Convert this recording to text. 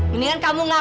mendingan kamu ngaku